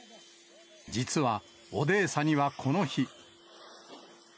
実は、オデーサにはこの日。